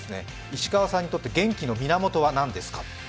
石川さんにとって元気の源は何ですか？